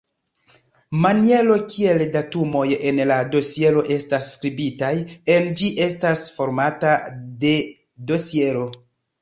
Maniero kiel datumoj en la dosiero estas skribitaj en ĝi estas formato de dosiero.